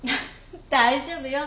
大丈夫よ。